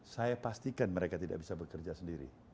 saya pastikan mereka tidak bisa bekerja sendiri